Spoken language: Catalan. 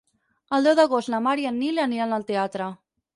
El deu d'agost na Mar i en Nil aniran al teatre.